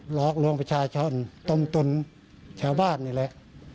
หลอกลวงประชาชนต้มตุนชาวบ้านนี่แหละ